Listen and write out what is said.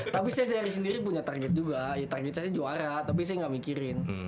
tapi saya sendiri punya target juga target saya juara tapi saya gak mikirin